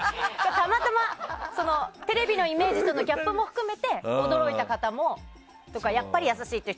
たまたまテレビのイメージとのギャップも含めて驚いた方とかやっぱり優しいとか。